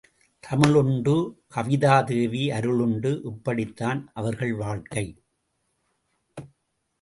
தமிழ் உண்டு கவிதாதேவி அருள் உண்டு இப்படித்தான் அவர்கள் வாழ்க்கை.